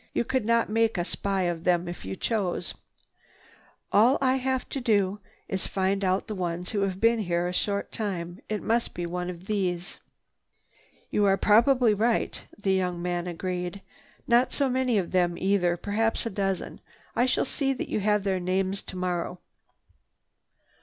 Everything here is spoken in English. You could not make a spy of them if you chose. All I have to do is to find out the ones who have been here a short time. It must be one of these." "You are probably right," the young man agreed. "Not so many of them either, perhaps a dozen. I shall see that you have their names tomorrow."